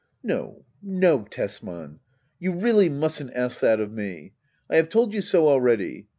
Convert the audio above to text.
No no^ Tesman — ^you really mustn't ask that ot me. I have told you so already.